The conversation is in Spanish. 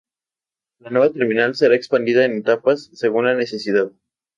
La nueva terminal será expandida en etapas, según la necesidad.